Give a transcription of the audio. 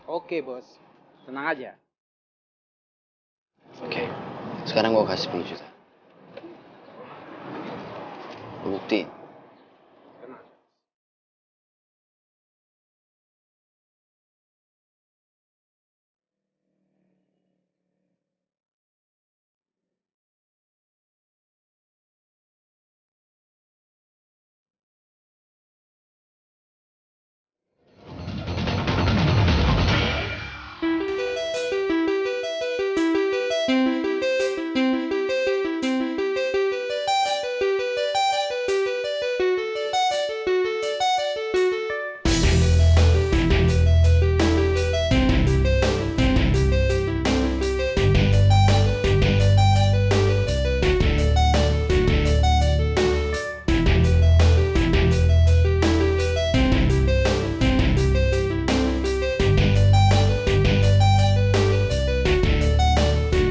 oke bos tenang aja